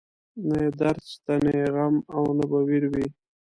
نه يې درد شته، نه يې غم او نه به وير وي